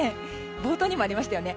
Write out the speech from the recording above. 冒頭にもありましたよね